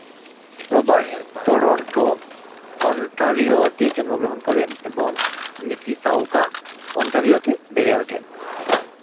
Roberts Toronto, অন্টারিওতে জন্মগ্রহণ করেন এবং মিসিসাউগা, অন্টারিওতে বেড়ে ওঠেন।